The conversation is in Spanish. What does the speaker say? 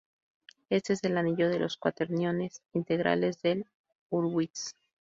Este es el anillo de los Cuaterniones integrales de Hurwitz.